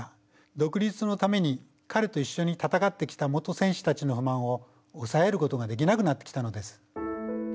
独立のために彼と一緒に戦ってきた元戦士のたちの不満を押さえることができなくなってきたのです。